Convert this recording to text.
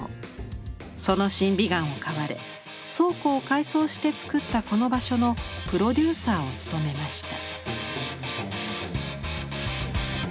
その審美眼を買われ倉庫を改装して作ったこの場所のプロデューサーを務めました。